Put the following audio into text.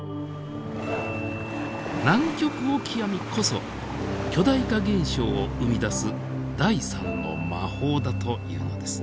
ナンキョクオキアミこそ巨大化現象を生み出す第３の魔法だというのです。